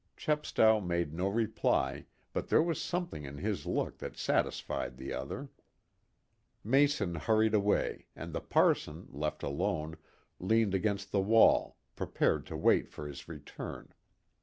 Chepstow made no reply, but there was something in his look that satisfied the other. Mason hurried away and the parson, left alone, leant against the wall, prepared to wait for his return.